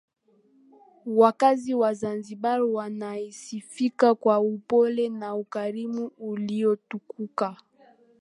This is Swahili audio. Wakazi wa Zanzibar wanasifika kwa upole na ukarimu uliotukuka